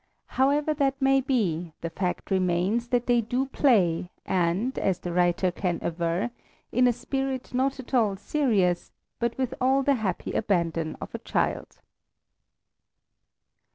However that may be, the fact remains that they do play and, as the writer can aver, in a spirit not at all serious, but with all the happy abandon of a child.